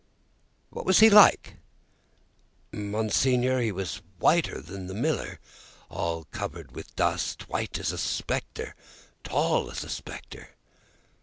"What was he like?" "Monseigneur, he was whiter than the miller. All covered with dust, white as a spectre, tall as a spectre!"